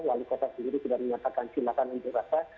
wali kota sendiri tidak menyatakan silakan untuk rasa